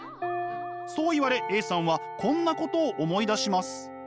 そう言われＡさんはこんなことを思い出します。